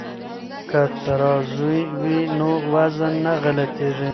که ترازوی وي نو وزن نه غلطیږي.